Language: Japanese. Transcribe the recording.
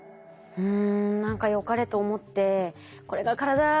うん。